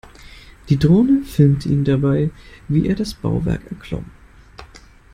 Die Drohne filmte ihn dabei, wie er das Bauwerk erklomm.